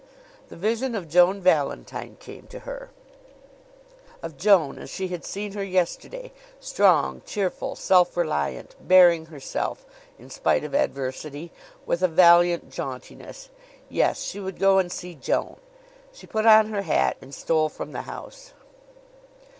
The vision of Joan Valentine came to her of Joan as she had seen her yesterday, strong, cheerful, self reliant, bearing herself, in spite of adversity, with a valiant jauntiness. Yes; she would go and see Joan. She put on her hat and stole from the house.